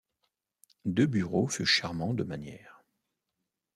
Deburau fut charmant de manières.